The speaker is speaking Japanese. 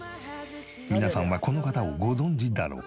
皆さんはこの方をご存じだろうか？